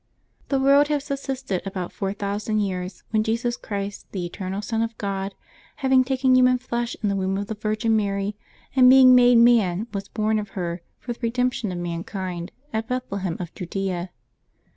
CHE world had subsisted about four thousand years when Jesus Christ, the eternal Son of God, having taken human flesh in the womb of the Virgin Mary, and being made man, was born of her, for the redemption of mankind, at Bethlehem of Judea.